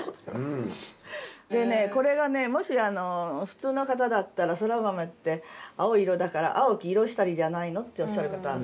でねこれがもし普通の方だったらそら豆って青い色だから「青き色したり」じゃないのっておっしゃる方。